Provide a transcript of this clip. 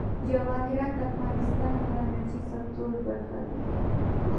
جواهرات د افغانستان د انرژۍ سکتور برخه ده.